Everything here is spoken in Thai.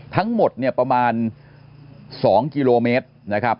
ทั้งหมดเนี่ยประมาณ๒กิโลเมตรนะครับ